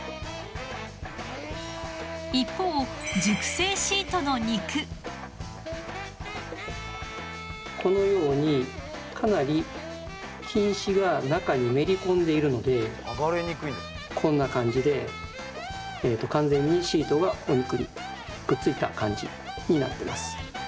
一方このようにかなり菌糸が中にめり込んでいるのでこんな感じで完全にシートがお肉にくっついた感じになってます。